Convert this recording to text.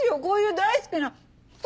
こういう大好きな。